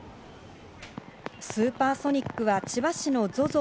スーパーソニックは千葉市のＺＯＺＯ